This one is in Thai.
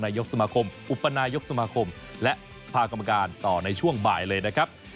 ยกสมาคมอุปนายกสมาคมและสภากรรมการต่อในช่วงบ่ายเลยนะครับ